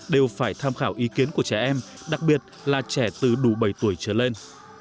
đều phải tham khảo ý kiến của trẻ em đặc biệt là trẻ từ đủ bảy tuổi trở lên